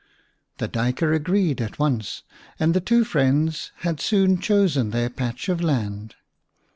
The Duyker agreed at once, and the two friends had soon chosen their patch of land.